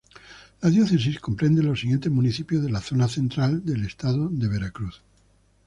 La diócesis comprende los siguientes municipios de la zona Central del Estado de Veracruz